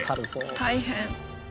大変。